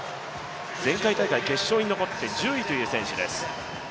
前回大会決勝に残って１０位という選手です。